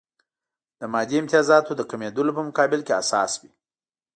د مادي امتیازاتو د کمېدلو په مقابل کې حساس وي.